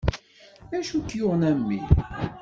D acu i k-yuɣen a mmi?